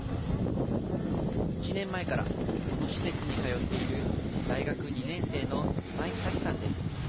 １年前からこの施設に通っている、大学２年生の今井咲希さんです。